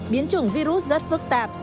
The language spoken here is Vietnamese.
biến chủng virus rất phức tạp